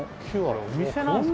お店なんすか？